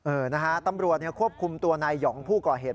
เออนะฮะตำรวจควบคุมตัวนายห่องผู้ก่อเหตุ